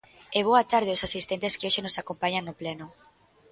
E boa tarde aos asistentes que hoxe nos acompañan no pleno.